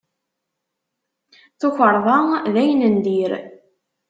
Tukerḍa d ayen n dir.